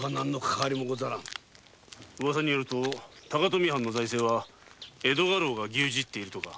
ウワサによると高富藩の財政は江戸家老が牛耳っているとか。